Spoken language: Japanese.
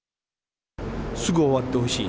すぐ終わってほしい。